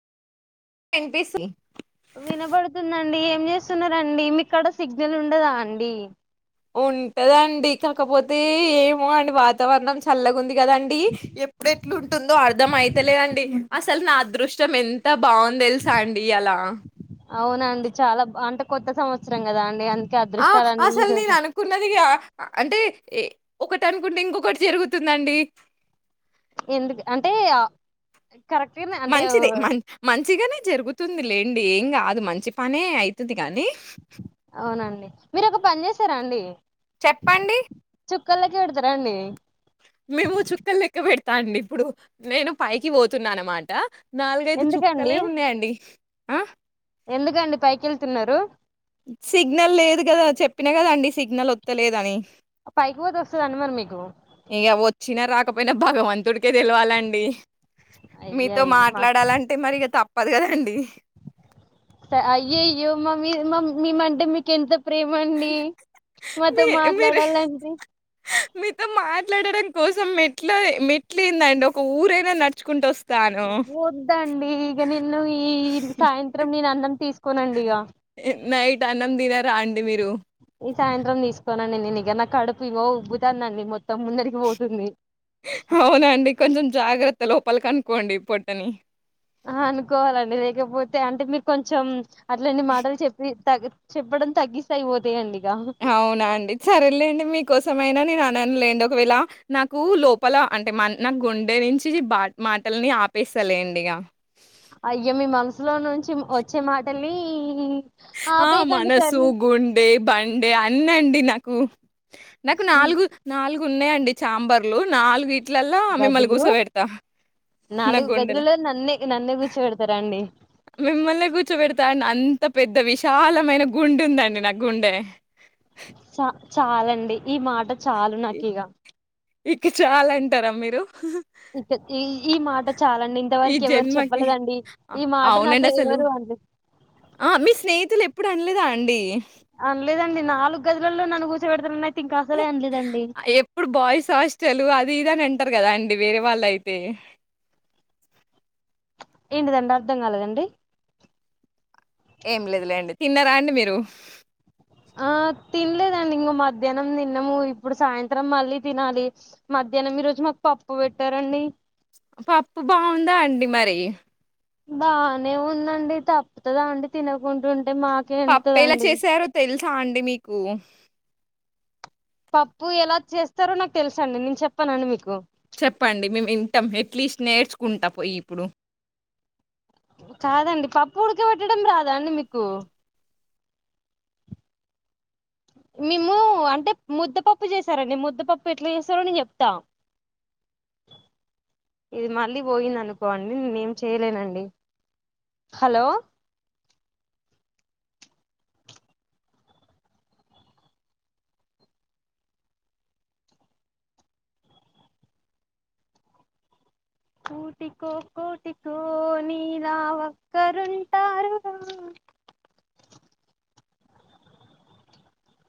వినిపిస్ వినబడుతుందండి ఏం చేస్తురండి మీకడ సిగ్నల్ ఉండదా అండి ఉంటదండి కాకపోతే ఏమో అండి వాతావరణం చల్లగుంది కదండి ఎప్పుడేట్లుంటుందో అర్థం అయితలేదండి అసలు నా అదృష్టం ఎంత బాగుంది తెలుసా అండి ఇయ్యాలా అవునండి చాలా అంటే కొత్త సంవత్సరం కదా అండి అన్ ఆ అసలు నేను అనుకున్నదిగా అంటే ఏ ఒకటి అనుకుంటే ఇంకొకటి జరుగుతుందండి ఎందుకు అంటే ఆ మంచిది మ మంచిగానే జరుగుతు ంది లేండి ఏం కాదు మంచి పనే అవుతది గాని అవునండి మీరు ఒక పని చేస్తారా అండి చెప్పండి చుక్కలెక్కపెడుతరా అండి మేము చుక్కలు లెక్క పెడతా అండి ఇప్పుడు నేను పైకి పోతున్నా అన్నమాట నాలుగైదు ఎందుకండి చుక్కలే ఉన్నాయండి ఆ ఎందుకండి పైకేళ్తున్నారు సిగ్నల్ లేదు కదా చెప్పినా కదండి సిగ్నల్ ఒత్తలేదని పైకిపోతే వస్తదా అండి మరి మీకు కపోయినా భగవంతుడికే తెలువాలండి అయ్యా మీతో అయ్యో మా మాట్లాడాలంటే మరిగ తప్ ప్పదు కదండీ స అయ్యయ్యో మమీద్ మ మీ మంటే మీకేంత ప్రేమండి మాతో మీ మీరు మాట్లాడాలంటే మీతో మాట్లాడడం కోసం మెట్ల మెట్లేందండి ఒక ఊరైనా నడుచుకుంటొస్ ఓద్దండి ఇగ నిన్ను ఈ సాయంత్రం నేనన్నం తీస్ నైట్ అన్నం దిన రా అండి మీరు ఈ సాయంత్రం తీసుకోనండి నేను ఇగ నా కడుపు ఇగో ఉబ్బుతాందండి మొత్తం ముందరికి పోతుంది అవునండి కొంచెం జాగ్రత్తలో పలు కనుకోండి పొట్టని ఆ అనుకోవాలండి లేకపోతే అంటే మి కొంచెం అట్లాంటి మాటలు చెప్పి తగు చెప్పడం తగ్గిస్తే ఐపోతాయండి అవునా అండి సరేలేండి మీకోసమైనా నేను అనను లేండి ఒకవేళ నాకు లోపల అంటే మ నా గుండె నుంచి బా మాటల్ని ఆపేస్తలేండి ఇగ అయ్యో మీ మనసులో నుంచి వచ్చే మాటల్ని ఆ ఆపేయకండి మనసు సర్లే గుండె బండె అన్నండి నాకు నాకు నాలుగు నాలు ఉన్నాయండి చాంబర్లు నాలుగు నా నాలుగు గుండెల. గదులలో నన్నే నన్నే కూసో పెడతారా అండి మిమ్మల్ని కూర్చోబెడతా అండి అంత పెద్ద విశాలమైన గుండె ఉందండి నా గుండె చ చాలండి ఈ మాట చాలు ఇ నాకిగ ఇక చాలంటారా మీరు ఇంతకి ఈ ఈ మాట చాలండి ఈ ఇంతవరకి ఎవరు జన్మకి. చెప్పలేదండి అ ఈ మాట నాతో అవునండి అసలు. ఎవరు అన్లే టన్లేదా అండి అనలేదండి నాలుగు గదులల్లో నన్న కూర్చోబెడతారన్నాయి ఎప్పుడు బాయ్స్ హాస్టల్ అది ఇది అనన్ టరు కదా అండి వేరే వాళ్ళు అయితే ఏంటిదండి అర్థం కాలేదండి ఏం లేదులేండి తిన్నారా అండి మీరు ఆ తినలేదండి ఇంక మధ్యానం తిన్నము ఇప్పుడు సాయంత్రం మళ్ళీ తినాలి మధ్యానం ఈ రోజు మాకు పప్పు పెట్టారండి పప్పు బావుందా అండి మరి బానే ఉందండి తప్పుతదా అండి తినకుంటుం పప్పు ఎలా చేసారో తెలుసు సా అండి మీకు పప్పు ఎలా చేస్తారో నాకు తెలుసండి నేను చెప్పనండి మీకు చెప్పండి మేము వింటాం ఎట్లీస్ట్ నేర్చుకుంటా పొయ్యిప్పుడు కాదండి పప్పు ఉడకబెట్టంం రాదా అండి మీకు మేము అంటే ముద్దపప్పు చేసారండి ముద్దపప్పు ఎట్లా చేస్తారో నేను చెప్తా ఇది మళ్ళీ పోయింది అనుకోండి నేను ఏం చేయలేనండి హలో కూటికో కోటికో నీలా ఒక్కరుంటారురా